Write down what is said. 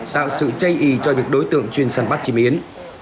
tạo sự chây ý cho những đối tượng chuyên săn bắt chim yến